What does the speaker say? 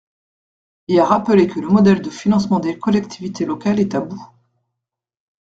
Et à rappeler que le modèle de financement des collectivités locales est à bout.